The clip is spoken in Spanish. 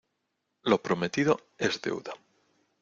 Lo prometido es deuda.